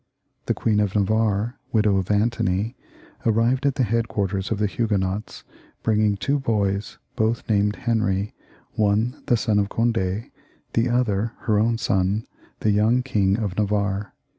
The Queen of Navarre, widow of Antony, arrived at the headquarters 278 CHARLES IX. [CH. of the Huguenots, bringing two boys, both named Henry, one the son of Cond^, the other her own son, the young King of Navarre.